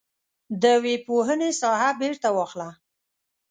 د ويي پوهنې ساحه بیرته واخله.